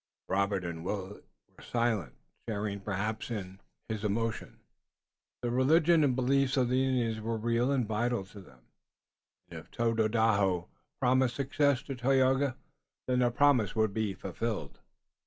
Robert and Willet were silent, sharing perhaps in his emotion. The religion and beliefs of the Indian were real and vital to them, and if Tododaho promised success to Tayoga then the promise would be fulfilled.